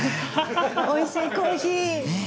おいしいコーヒー。ねえ。